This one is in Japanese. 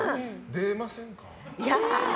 出ませんか？